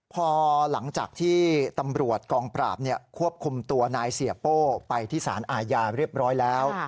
พอหลังจากที่ตำรวจกองปราบควบคุมตัวนายเสียโป้ไปที่สารอาญาเรียบร้อยแล้ว